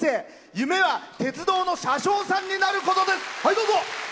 夢は鉄道の車掌さんになることです。